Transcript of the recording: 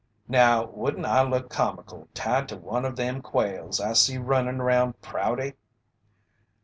"Now wouldn't I look comical tied to one of them quails I see runnin' around Prouty!"